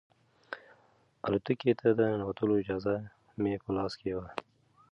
الوتکې ته د ننوتلو اجازه مې په لاس کې وه.